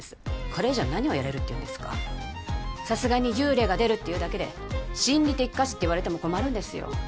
これ以上何をやれるっていうんですかさすがに幽霊が出るっていうだけで心理的瑕疵って言われても困るんですよ